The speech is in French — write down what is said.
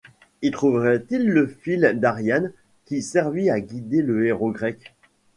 Y trouverait-il le fil d’Ariane qui servit à guider le héros grec?